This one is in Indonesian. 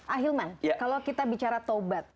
ahilman kalau kita bicara taubat